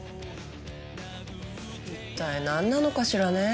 一体なんなのかしらね？